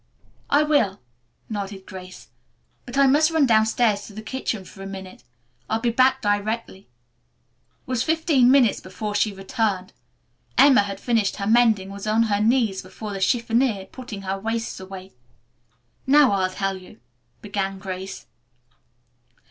"I will," nodded Grace, "but I must run downstairs to the kitchen for a minute. I'll be back directly." It was fifteen minutes before she returned. Emma had finished her mending and was on her knees before the chiffonier putting her waists away. "Now I'll tell you," began Grace.